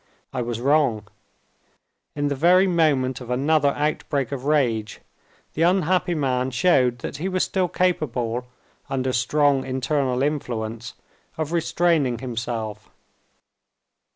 I was wrong. In the very moment of another outbreak of rage, the unhappy man showed that he was still capable, under strong internal influence, of restraining himself.